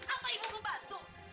apa ibu membantu